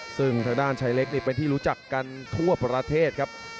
ซึ่งทางด้านชายเล็กนี่เป็นที่รู้จักกันทั่วประเทศครับ